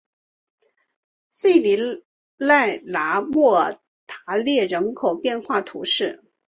弗利讷莱莫尔塔涅人口变化图示